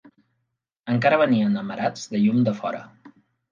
Encara venien amarats de llum de fora